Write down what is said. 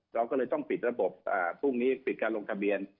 เราก็เลยต้องปิดระบบพรุ่งนี้ปิดการลงทะเบียน